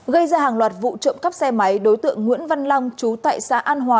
gây ra hàng loạt vụ trộm cắp xe máy đối tượng nguyễn văn long chú tại xã an hòa